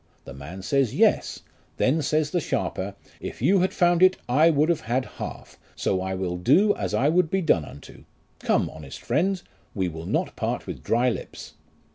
The man says, Yes ; then says the sharper, If you had found it I would have had half, so I will do as I would be done unto ; come, honest friend, we will not part with dry lips.